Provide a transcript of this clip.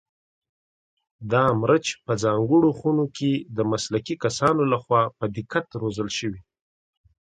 دا مرچ په ځانګړو خونو کې د مسلکي کسانو لخوا په دقت روزل شوي.